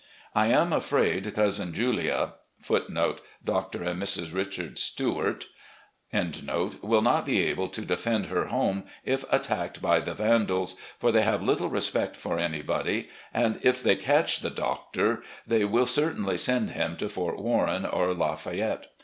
I am afraid Cousin Julia* will not be able to defend her home if attacked by the vandals, for they have little respect for anybody, and if they catch the Doctor* they will certainly send him to Fort Warren or La Fayette.